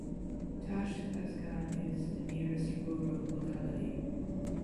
Tashkazgan is the nearest rural locality.